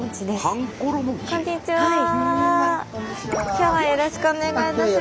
今日はよろしくお願いいたします。